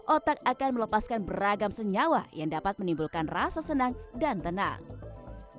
otak akan melepaskan beragam senyawa yang dapat menimbulkan rasa senang dan tenang